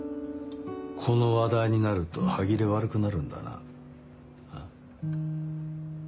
この話題になると歯切れ悪くなるんだなん？